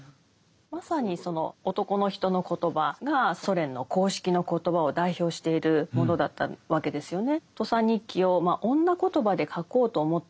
まさにその男の人の言葉がソ連の公式の言葉を代表しているものだったわけですよね。